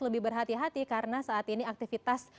lebih berhati hati karena saat ini aktivitas